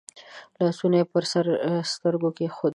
لاسونه يې پر سترګو کېښودل.